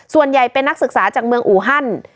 ส่วนใหญ่เป็นนักศึกษาจากเมืองอูฮัน